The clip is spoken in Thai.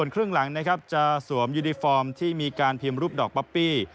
คลื่องหลังจะสวมยูนิฟอร์มที่มีการพรีมรูปดอกป๊าปปป